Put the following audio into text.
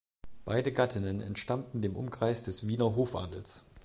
Beide Gattinnen entstammten dem Umkreis des Wiener Hofadels.